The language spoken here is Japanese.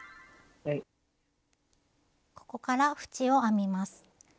ここから縁を編みます。